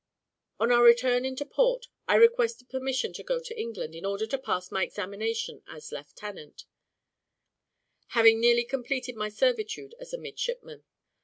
On our return into port, I requested permission to go to England in order to pass my examination as lieutenant, having nearly completed my servitude as a midshipman.